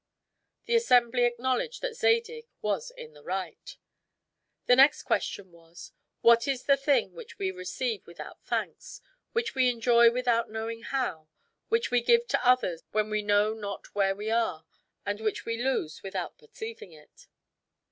The assembly acknowledged that Zadig was in the right. The next question was: "What is the thing which we receive without thanks, which we enjoy without knowing how, which we give to others when we know not where we are, and which we lose without perceiving it?"